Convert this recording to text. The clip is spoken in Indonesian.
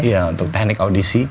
iya untuk teknik audisi